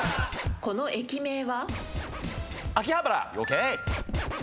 この駅名は？